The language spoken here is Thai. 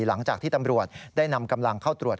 หลังจากที่ตำรวจได้นำกำลังเข้าตรวจ